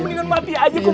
mendingan mati aja kum